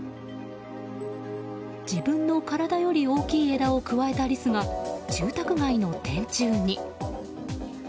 自分の体より大きい枝をくわえたリスが住宅街の電柱に。